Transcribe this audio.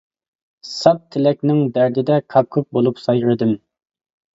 ساپ تىلەكنىڭ دەردىدە كاككۇك بولۇپ سايرىدىم.